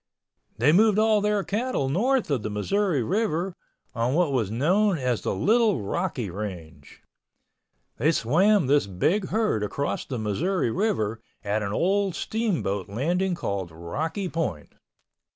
They moved all their cattle north of the Missouri River on what was known as the Little Rocky Range. They swam this big herd across the Missouri River at an old steamboat landing called Rocky Point.